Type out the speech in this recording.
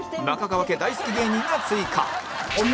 中川家大好き芸人が追加